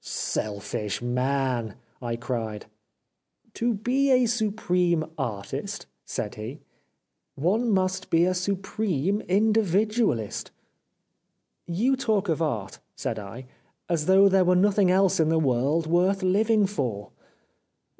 "' Selfish man !' I cried. "' To be a supreme Artist,' said he, ' one must first be a supreme Individualist.* "' You talk of Art,' said I, ' as though there were nothing else in the world worth living for.'